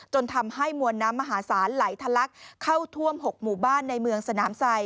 จนทำให้มวลน้ำมหาศาลไหลทะลักเข้าท่วม๖หมู่บ้านในเมืองสนามไซ